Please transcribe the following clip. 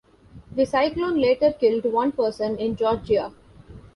The cyclone later killed one person in Georgia.